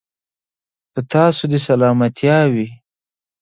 په تاسو دې سلامتيا وي.